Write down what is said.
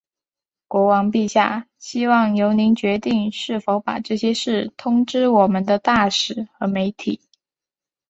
国王陛下希望由您决定是否把这些事通知我们的大使和媒体。